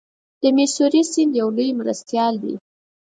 د میسوری سیند یو لوی مرستیال دی.